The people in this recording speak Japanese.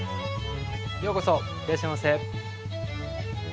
ようこそいらっしゃいませ。